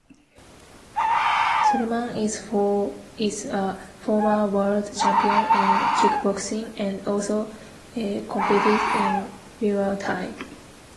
Soliman is a former world champion in kickboxing, and also competed in Muay Thai.